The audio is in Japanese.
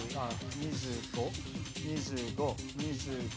２５２５２５。